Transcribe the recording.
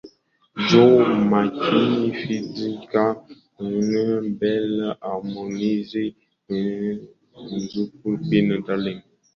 Joh Makini Fid Q Nandy Bilnass Belle Harmonize Rayvanny Zuchu Queen Darling